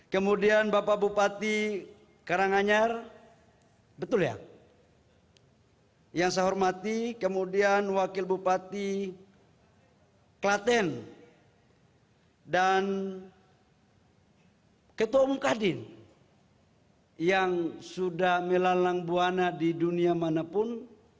ketua umum kadin yang sudah melalang buana di dunia manapun